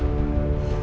ya enggak apa apa